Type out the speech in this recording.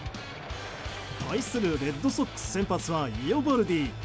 対するレッドソックス先発はイオバルディ。